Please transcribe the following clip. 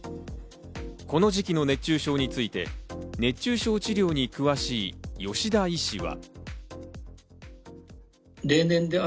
この時期の熱中症について、熱中症治療に詳しい吉田医師は。